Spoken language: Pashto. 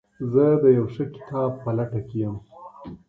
زه د یو ښه کتاب په لټه کي یم.